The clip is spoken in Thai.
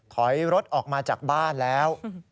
ถอยรถออกมาจากบ้านแล้ว